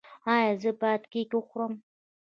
ایا زه باید کیک وخورم؟